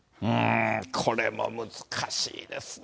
これも難しいですね。